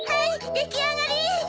できあがり！